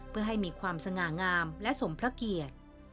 เพื่อให้มีความสง่างามและสมพระเกียรติ